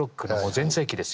全盛期です。